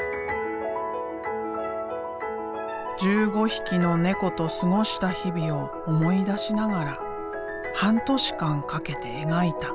１５匹の猫と過ごした日々を思い出しながら半年間かけて描いた。